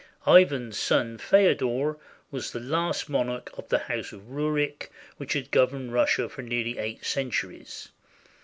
Ivan's son, Feodor, was the last monarch of the House of Rurik, which had governed Russia for nearly eight cen turies.